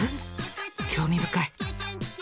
興味深い！